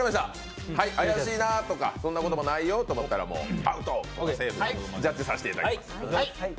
怪しいなとか、そんな言葉ないよと思ったらアウト、セーフ、ジャッジさせていただきます。